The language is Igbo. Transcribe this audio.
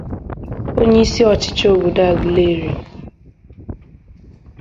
onyeisi ọchịchị obodo Aguleri